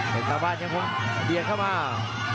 เพชรสักบ้านยังเพิ่งเบียนเข้ามา